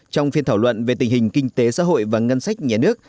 trong phiên thảo luận về tình hình kinh tế xã hội và ngân sách nhà nước